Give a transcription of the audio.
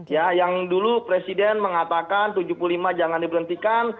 ya yang dulu presiden mengatakan tujuh puluh lima jangan diberhentikan